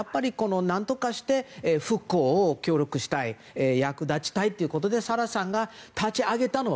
何とかして復興に協力したい役立ちたいということでサラさんが立ち上げたのが